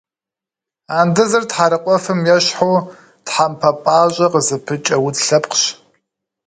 Андызыр тхьэрыкъуэфым ещхьу, тхьэмпэ пӏащӏэ къызыпыкӏэ удз лъэпкъщ.